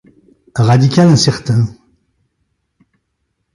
Radical incertain.